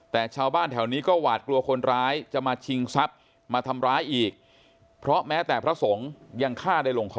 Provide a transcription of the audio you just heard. แต่ชาวบ้านแถวนี้ก็หวาดกลัวคนร้ายจะมาชิงทรัพย์มาทำร้ายอีกเพราะแม้แต่พระสงฆ์ยังฆ่าได้ลงคอ